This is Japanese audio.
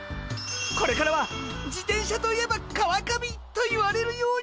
これからは自転車といえば川上と言われるようになるんだ！